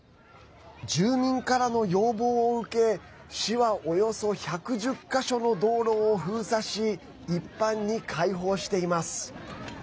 住民からの要望を受け市はおよそ１１０か所の道路を封鎖し、一般に開放しています。